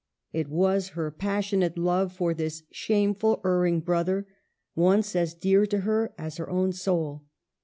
It was her passionate love for this shameful, erring brother, once as dear to her as her own soul.